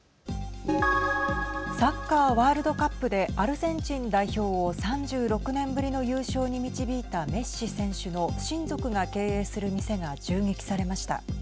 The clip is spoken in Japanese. サッカーワールドカップでアルゼンチン代表を３６年ぶりの優勝に導いたメッシ選手の親族が経営する店が銃撃されました。